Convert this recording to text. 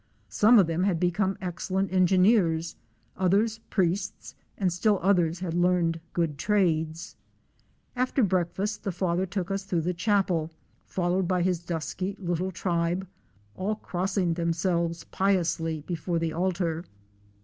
Some of them had become excellent engineers, others priests and still others had learned good trades. After breakfast the Father took us through the chapel, followed by his dusky little tribe, all crossing themselves piously before the altar.